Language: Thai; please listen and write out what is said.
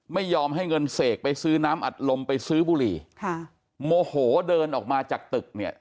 ไม่ยอมให้เงินเสกไปซื้อน้ำอัดลมไปซื้อบุหรี่ค่ะโมโหเดินออกมาจากตึกเนี่ย